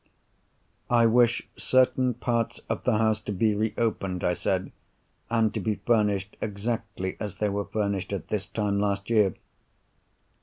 "I wish certain parts of the house to be re opened," I said, "and to be furnished, exactly as they were furnished at this time last year."